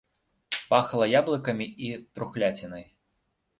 Пахла яблыкамі і трухляцінай.